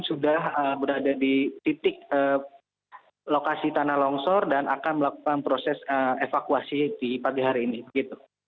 sudah berada di titik lokasi tanah longsor dan akan melakukan proses evakuasi di pagi hari ini